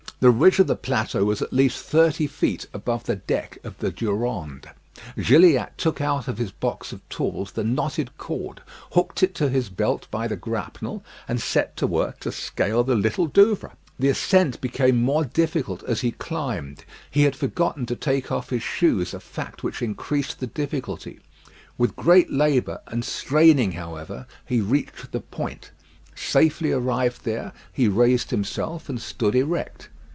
The ridge of the plateau was at least thirty feet above the deck of the Durande. Gilliatt took out of his box of tools the knotted cord, hooked it to his belt by the grapnel, and set to work to scale the Little Douvre. The ascent became more difficult as he climbed. He had forgotten to take off his shoes, a fact which increased the difficulty. With great labour and straining, however, he reached the point. Safely arrived there, he raised himself and stood erect.